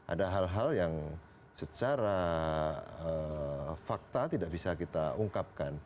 ada hal hal yang secara fakta tidak bisa kita ungkapkan